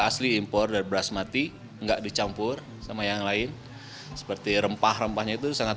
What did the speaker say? asli impor dari beras mati enggak dicampur sama yang lain seperti rempah rempahnya itu sangat